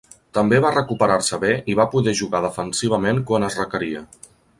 També va recuperar-se bé i va poder jugar defensivament quan es requeria.